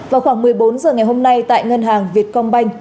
vào khoảng một mươi bốn h ngày hôm nay tại ngân hàng việt công banh